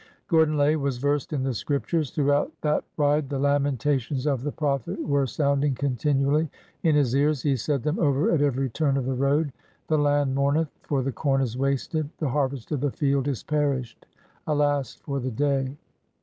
Gordon Lay was versed in the Scriptures. Throughout 330 ORDER NO. 11 that ride the lamentations of the prophet were sounding continually in his ears. He said them over at every turn of the road, '' The land mourneth ; for the corn is wasted ;... the harvest of the field is perished.'' ...'' Alas for the day!"